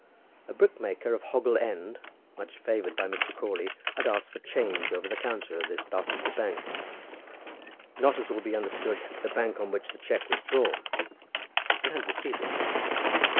A brickmaker of Hoggle End, much favoured by Mr. Crawley, had asked for change over the counter of this Barchester bank, not, as will be understood, the bank on which the cheque was drawn and had received it.